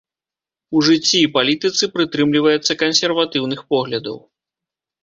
У жыцці і палітыцы прытрымліваецца кансерватыўных поглядаў.